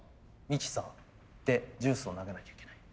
ミキサーでジュースを投げなきゃいけない。